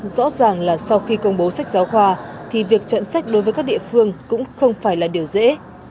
rõ ràng là sau khi công bố sách giáo khoa thì việc chọn sách đối với các địa phương cũng không phải là điều dễ